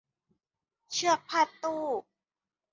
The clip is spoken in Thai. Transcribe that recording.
เชือกพาดตู้